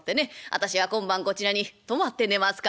私は今晩こちらに泊まって寝ますから」。